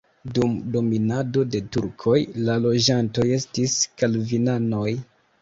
Dum dominado de turkoj la loĝantoj estis kalvinanoj.